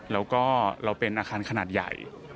แล้วก็เราเป็นอาคารขนาดใหญ่